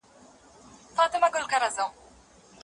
رييس يادونه وکړه چي د اداري فساد پر وړاندي به جدي مبارزه کوي.